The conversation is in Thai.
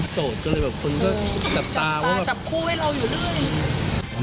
โสดก็เลยแบบคุณก็จับตาว่าจับตาจับคู่ให้เราอยู่ด้วย